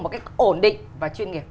một cách ổn định và chuyên nghiệp